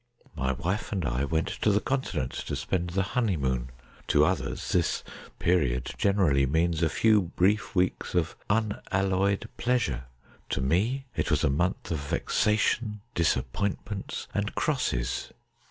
My wife and I went on the Continent to spend the honey moon. To others this period generally means a few brief weeks of unalloyed pleasure. To me it was a month of vexa tion, disappointments, and crosses.